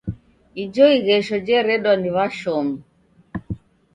Ijo ighesho jeredwa ni w'ashomi.